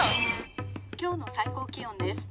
「今日の最高気温です。